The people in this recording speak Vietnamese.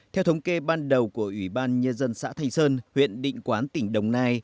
theo thống kê ban đầu của ủy ban nhân dân xã thành sơn huyện định quán tỉnh đồng nai